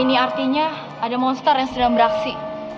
ini artinya ada monster yang sedang beraksi